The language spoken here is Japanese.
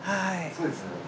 そうですね。